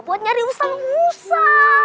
buat nyari ustad musa